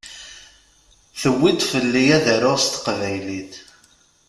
Tuwi-d fell-i ad aruɣ s teqbaylit.